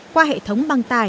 qua hệ thống băng tải